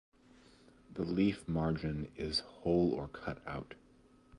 The leaf margin is whole or cut out.